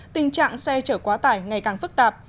tình trạng xe chở quá tải ngày càng phức tạp